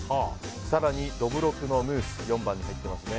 更にどぶろくのムース４番に入ってますね。